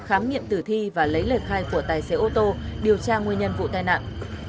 khám nghiệm tử thi và lấy lời khai của tài xế ô tô điều tra nguyên nhân vụ tai nạn